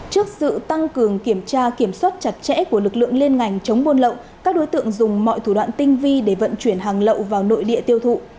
trước sự tăng cường kiểm tra kiểm soát chặt chẽ của lực lượng liên ngành chống buôn lậu các đối tượng dùng mọi thủ đoạn tinh vi để vận chuyển hàng lậu vào nội địa tiêu thụ